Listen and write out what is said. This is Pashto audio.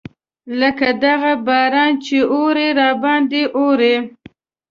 لکه دغه باران چې اوري راباندې اوري.